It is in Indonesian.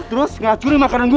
terus gak curi makanan gue